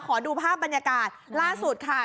ขอดูภาพบรรยากาศล่าสุดค่ะ